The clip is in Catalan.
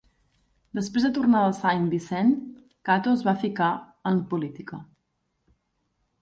Després de tornar a Saint Vincent, Cato es va ficar en política.